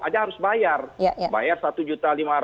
aja harus bayar bayar satu juta